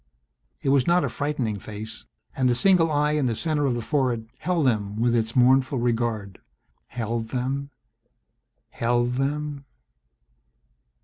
It was not a frightening face and the single eye in the center of the forehead held them with its mournful regard, held them, held them